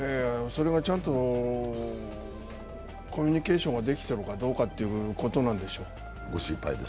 それがちゃんとコミュニケーションができてるのかどうかっていうことなんでしょう。